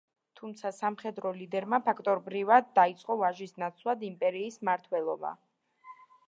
თუმცა, სამხედრო ლიდერმა ფაქტობრივად დაიწყო ვაჟის ნაცვლად იმპერიის მმართველობა.